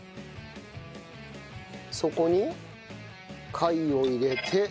そこに貝を入れて。